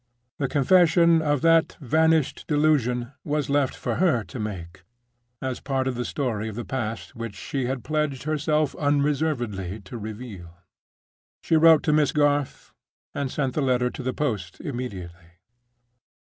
The confession of that vanished delusion was left for her to make, as part of the story of the past which she had pledged herself unreservedly to reveal. She wrote to Miss Garth, and sent the letter to the post immediately.